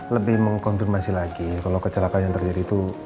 lebih mengkonfirmasi lagi kalau kecelakaan yang terjadi itu